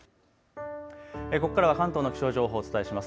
ここからは関東の気象情報をお伝えします。